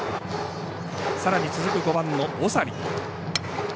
さらに続く５番の長利。